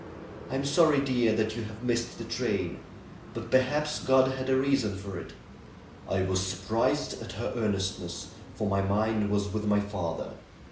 I am sorry, dear, that you have missed the train. But perhaps God had a reason for it." I was surprised at her earnestness, for my mind was with my father.